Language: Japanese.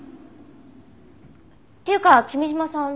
っていうか君嶋さん